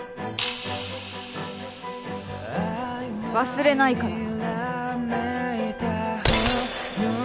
忘れないから。